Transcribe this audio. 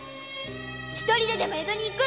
一人ででも江戸に行く！